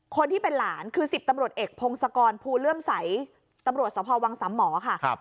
คนที่เป็นหลานคือ๑๐ตำรวจเอกพงศกรภูเลื่อมใสตำรวจสพวังสามหมอค่ะ